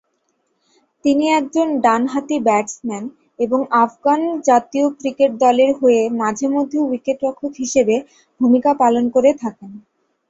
তিনি একজন ডান হাতি ব্যাটসম্যান এবং আফগান জাতীয় ক্রিকেট দলের হয়ে মাঝে মধ্যে উইকেটরক্ষক হিসেবে ভূমিকা পালন করে থাকেন।